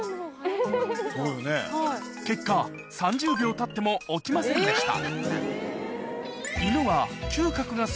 結果３０秒たっても起きませんでした